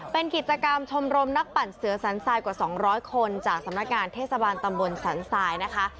เป็นกิจกรรมชมรมนักปั่นเสือสันทรายกว่า๒๐๐คนจากสำนักงานเทศบาลตำบลสันทรายนะคะ